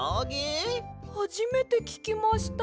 はじめてききました。